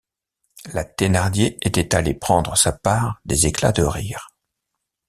La Thénardier était allée prendre sa part des éclats de rire.